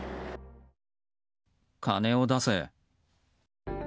金を出せ。